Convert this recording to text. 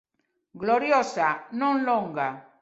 Gloriosa, non longa.